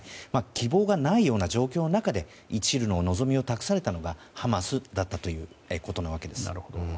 希望がないような状況の中でいちるの望みを託されたのがハマスだったということなわけです。